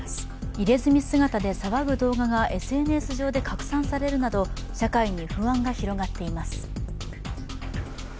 入れ墨姿で騒ぐ動画がＳＮＳ上で拡散されるなど社会に不安が広がっています。